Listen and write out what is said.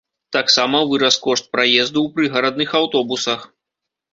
Таксама вырас кошт праезду ў прыгарадных аўтобусах.